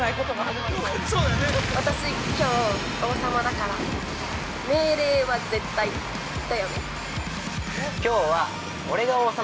◆私きょう王様だから、命令は絶対だよね？